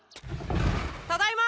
ただいま！